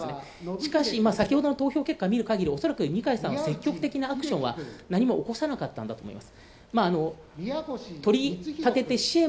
しかし、先ほどの投票結果を見るかぎり、恐らく二階さんは積極的なアクションは何も起こさなかったんだと思います。